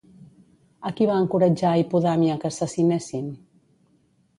A qui va encoratjar Hipodamia que assassinessin?